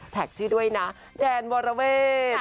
แท็กชื่อด้วยนะแดนวรเวฟ